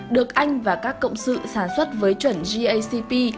được anh và các cộng sự sản xuất với chuẩn gacp